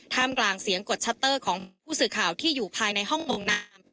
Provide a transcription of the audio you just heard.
มกลางเสียงกดชัตเตอร์ของผู้สื่อข่าวที่อยู่ภายในห้องลงนาม